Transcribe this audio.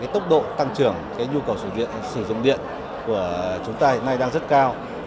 tốc độ tăng trưởng nhu cầu sử dụng điện của chúng ta hiện nay đang rất cao